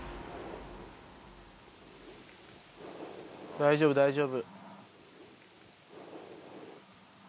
大丈夫大丈夫。